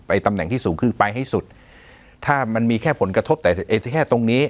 ตำแหน่งที่สูงขึ้นไปให้สุดถ้ามันมีแค่ผลกระทบแต่แค่ตรงนี้